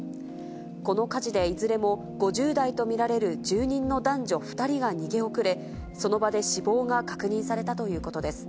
この火事でいずれも５０代と見られる住人の男女２人が逃げ遅れ、その場で死亡が確認されたということです。